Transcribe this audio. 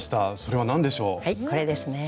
はいこれですね。